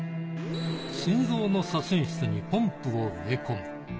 心臓の左心室にポンプを植え込む。